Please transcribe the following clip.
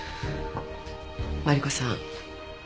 マリコさん